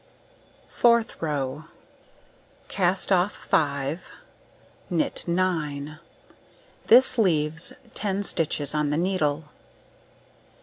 Fourth row: Cast off 5, knit 9. This leaves 10 stitches on the needle.